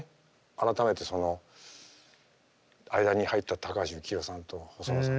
改めてその間に入った高橋幸宏さんと細野さんと。